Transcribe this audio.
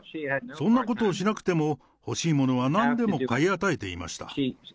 そんなことをしなくても、欲しいものはなんでも買い与えていました。